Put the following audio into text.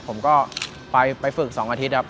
ผมก็ไปฝึก๒อาทิตย์ครับ